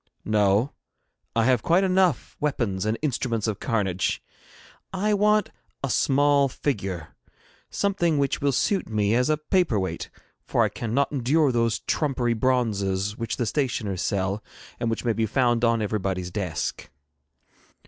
'No; I have quite enough weapons and instruments of carnage. I want a small figure, something which will suit me as a paper weight, for I cannot endure those trumpery bronzes which the stationers sell, and which may be found on everybody's desk.'